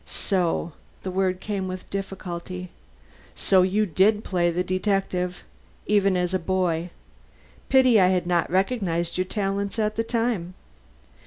"So!" The word came with difficulty. "So you did play the detective, even as a boy. Pity I had not recognized your talents at the time.